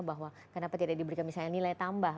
bahwa kenapa tidak diberikan misalnya nilai tambah